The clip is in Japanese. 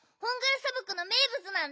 さばくのめいぶつなんだよね。